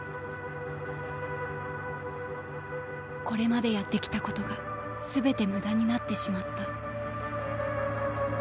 「これまでやってきたことがすべて無駄になってしまった」。